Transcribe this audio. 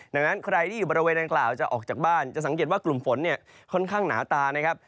ดังนั้นใครที่อยู่บริเวณดังกล่าวจะออกจากบ้านจะสังเกตว่ากลุ่มฝนเนี่ยค่อนข้างหนาตานะครับ